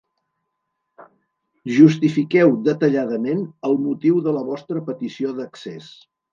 Justifiqueu detalladament el motiu de la vostra petició d'accés.